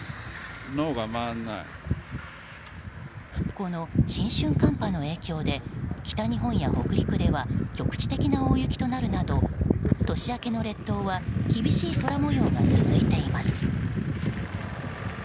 この新春寒波の影響で北日本や北陸では局地的な大雪となるなど年明けの列島は厳しい空模様が続いています。